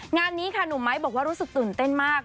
งานนี้ค่ะหนุ่มไม้บอกว่ารู้สึกตื่นเต้นมาก